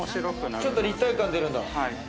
ちょっと立体感出るんだ。